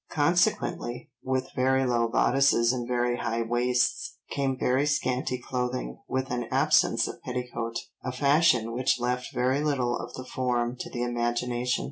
Consequently, "With very low bodices and very high waists, came very scanty clothing, with an absence of petticoat, a fashion which left very little of the form to the imagination.